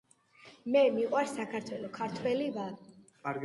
მე მიყვარს საქართველო, ქართველი ვარ.